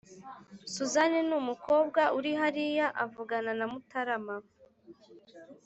suzanne numukobwa uri hariya avugana na mutarama